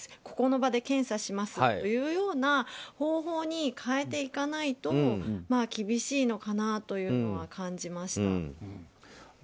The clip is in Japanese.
ここの場で検査をしますというような方法に変えていかないと厳しいのかなというのは感じました。